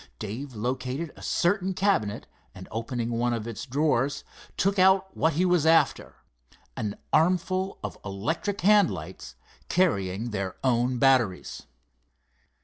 Dave located a certain cabinet, and opening one of its drawers, took out what he was after—an armful of electric hand lights carrying their own batteries.